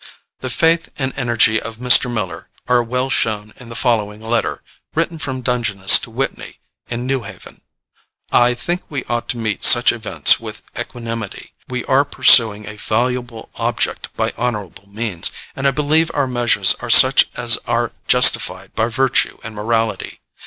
The faith and energy of Mr. Miller are well shown in the following letter, written from Dungeness to Whitney in New Haven: "I think we ought to meet such events with equanimity. We are pursuing a valuable object by honorable means, and I believe our measures are such as are justified by virtue and morality.